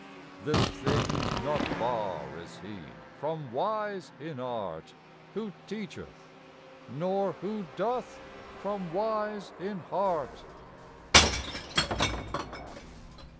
This thing not far is he from wise in art Who teacheth; nor who doth, from wise in heart.